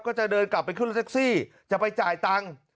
ก็จะเดินกลับไปขึ้นรถแท็กซี่จะไปจ่ายตังค์